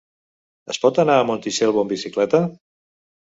Es pot anar a Montitxelvo amb bicicleta?